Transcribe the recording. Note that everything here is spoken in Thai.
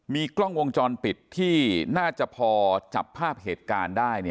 มีกล้องวงจรปิดที่น่าจะพอจับภาพเหตุการณ์ได้